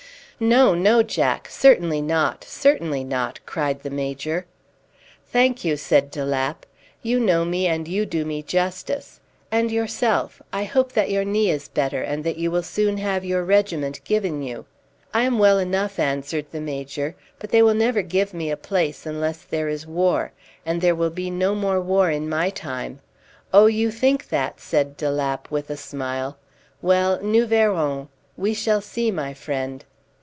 "No, no, Jack! Certainly not! certainly not!" cried the Major. "Thank you," said de Lapp. "You know me, and you do me justice. And yourself, I hope that your knee is better, and that you will soon have your regiment given you." "I am well enough," answered the Major; "but they will never give me a place unless there is war, and there will be no more war in my time." "Oh, you think that!" said de Lapp with a smile. "Well, nous verrons! We shall see, my friend!"